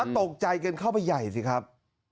ตกใจกันเข้าไปใหญ่สิครับ